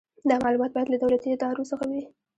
دا معلومات باید له دولتي ادارو څخه وي.